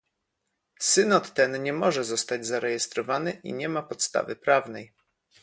Synod ten nie może zostać zarejestrowany i nie ma podstawy prawnej